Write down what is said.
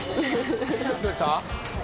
どうした？